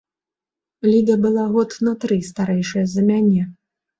Ліда была год на тры старэйшая за мяне.